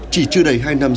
chỉ chưa đầy hai năm